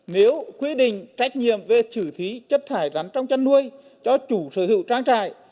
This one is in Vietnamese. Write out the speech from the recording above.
nếu quy định trách nhiệm về xử lý chất thải rắn trong chăn nuôi cho chủ sở hữu trang trại